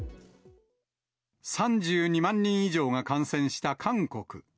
３２万人以上が感染した韓国。